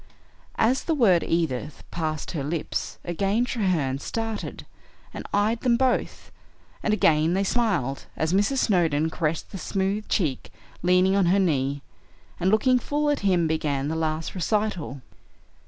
As the word "Edith" passed her lips, again Treherne started and eyed them both, and again they smiled, as Mrs. Snowdon caressed the smooth cheek leaning on her knee, and looking full at him began the last recital.